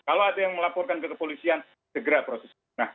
kalau ada yang melaporkan kepada polisian segera proses